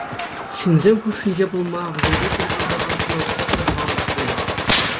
Ҫынсем хушшинче пулма, вӗсемпе тӗл пулса калаҫма вӑхӑт та сахалрах унӑн.